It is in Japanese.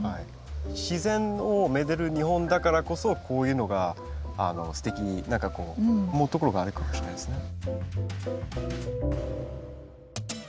自然をめでる日本だからこそこういうのがすてきに思うところがあるかもしれないですね。